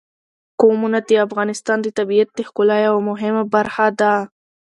قومونه د افغانستان د طبیعت د ښکلا یوه مهمه برخه ده.